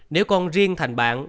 nếu con riêng thành bạn